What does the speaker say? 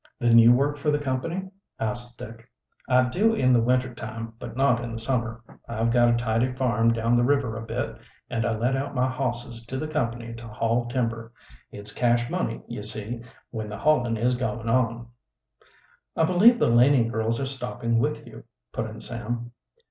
"Then you work for the company?" asked Dick. "I do in the winter time, but not in the summer. I've got a tidy farm down the river a bit, and I let out my hosses to the company to haul timber. It's cash money, you see, when the haulin' is goin' on." "I believe the Laning girls are stopping with you," put in Sam.